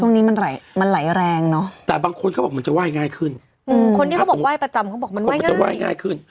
คนที่เค้าบอกไหว้ประจำเค้าบอกว่ามันไหว้ง่าย